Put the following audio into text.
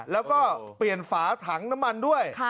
แล้วก็เปลี่ยนฝาถังน้ำมันด้วย